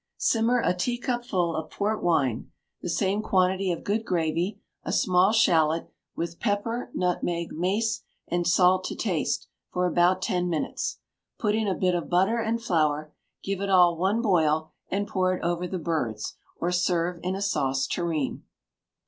Simmer a teacupful of port wine, the same quantity of good gravy, a small shalot, with pepper, nutmeg, mace, and salt to taste, for about ten minutes; put in a bit of butter and flour; give it all one boil, and pour it over the birds, or serve in a sauce tureen.